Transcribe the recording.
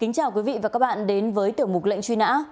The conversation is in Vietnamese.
xin chào quý vị và các bạn đến với tiểu mục lệnh truy nã